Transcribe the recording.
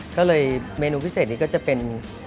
ก็เลยเมนูพิเศษนี้ก็จะเป็น